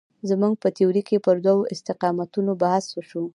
زموږ په تیورۍ کې پر دوو استقامتونو بحث وشو.